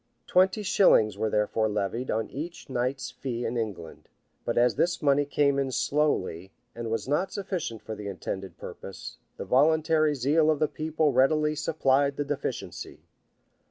Twenty shillings were therefore levied on each knight's fee in England; but as this money came in slowly, and was not sufficient for the intended purpose, the voluntary zeal of the people readily supplied the deficiency.